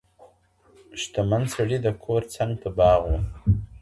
شته من سړي د کور څنګ ته دباغ وو